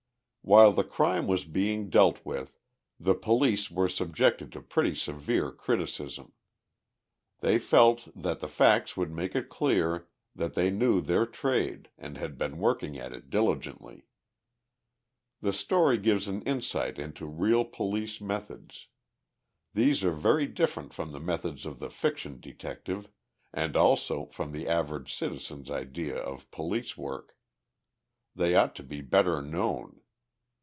While the crime was being dealt with, the police were subjected to pretty severe criticism. They felt that the facts would make it clear that they knew their trade and had been working at it diligently. The story gives an insight into real police methods. These are very different from the methods of the fiction detective, and also from the average citizen's idea of police work. They ought to be better known.